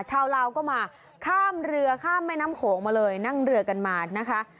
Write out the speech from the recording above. ชาวลาวก็มาข้ามเรือข้ามแม่น้ำโขงมาเลยนั่งเรือกันมานะคะ